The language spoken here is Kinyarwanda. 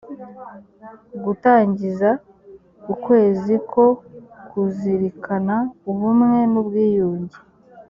gutangiza ukwezi ko kuzirikana ubumwe n ubwiyunge